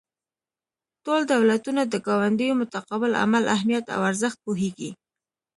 ټول دولتونه د ګاونډیو متقابل عمل اهمیت او ارزښت پوهیږي